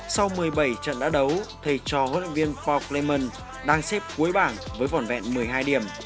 sau một mươi bảy trận đã đấu thầy trò huấn luyện viên paul clement đang xếp cuối bảng với vỏn vẹn một mươi hai điểm